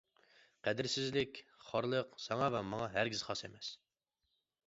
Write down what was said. قەدىرسىزلىك، خارلىق ساڭا ۋە ماڭا ھەرگىز خاس ئەمەس!